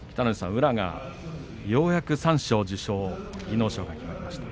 宇良がようやく三賞受賞技能賞が決まりました。